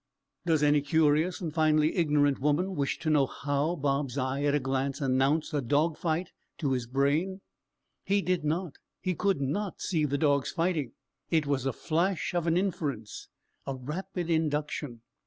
Does any curious and finely ignorant woman wish to know how Bob's eye at a glance announced a dog fight to his brain? He did not, he could not see the dogs fighting; it was a flash of an inference, a rapid induction.